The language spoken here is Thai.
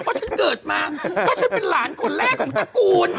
เพราะฉันเกิดมาก็ฉันเป็นหลานคนแรกของตระกูล